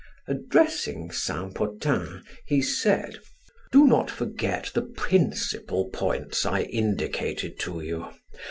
Addressing Saint Potin, he said: "Do not forget the principal points I indicated to you.